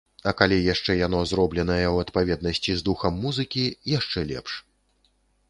А калі яшчэ яно зробленае ў адпаведнасці з духам музыкі, яшчэ лепш.